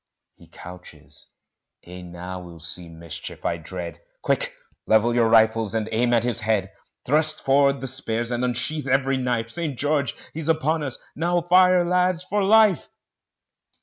He couches, ay, now we'll see mischief, I dread: Quick level your rifles and aim at his head: Thrust forward the spears, and unsheath every knife St. George! he's upon us! now, fire, lads, for life!